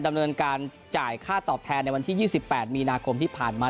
ดำเนินการจ่ายค่าตอบแทนในวันที่๒๘มีนาคมที่ผ่านมา